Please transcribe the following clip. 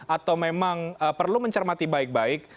atau memang perlu mencermati baik baik